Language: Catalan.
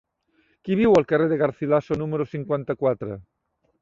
Qui viu al carrer de Garcilaso número cinquanta-quatre?